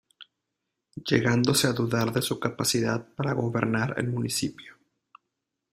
Llegándose a dudar de su capacidad para gobernar el municipio.